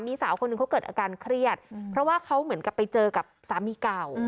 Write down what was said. มีสาวคนหนึ่งเขาเกิดอาการเครียดเพราะว่าเขาเหมือนกับไปเจอกับสามีเก่า